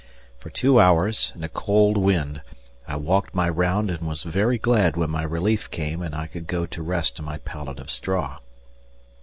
For two hours, in a cold wind, I walked my round and was very glad when my relief came and I could go to rest on my pallet of straw.